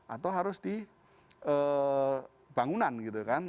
atau harus di bangunan gitu kan